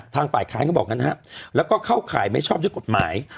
ทางฝ่าข้านก็บอกแบบนั้นแล้วก็เข้าข่ายไม่ชอบใช้กฎหมาย